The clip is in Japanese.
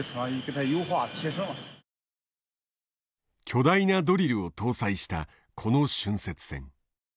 巨大なドリルを搭載したこの浚渫船。